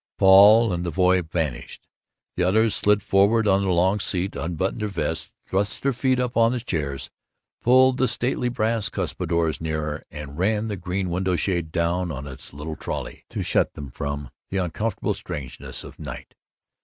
Paul and the boy vanished. The others slid forward on the long seat, unbuttoned their vests, thrust their feet up on the chairs, pulled the stately brass cuspidors nearer, and ran the green window shade down on its little trolley, to shut them in from the uncomfortable strangeness of night.